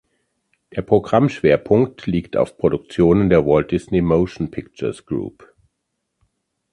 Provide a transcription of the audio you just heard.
Der Programmschwerpunkt liegt auf Produktionen der Walt Disney Motion Pictures Group.